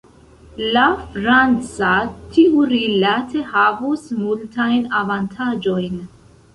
La franca, tiurilate, havus multajn avantaĝojn.